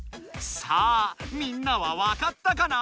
さあみんなはわかったかな？